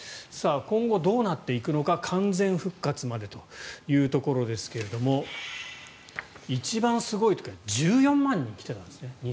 今後、どうなっていくのか完全復活までというところですが一番すごい時は１４万人も来ていたんですね。